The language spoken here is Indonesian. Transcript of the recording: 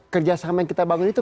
kerjasama yang kita bangun itu